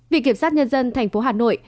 viện kiểm sát nhân dân tp hà nội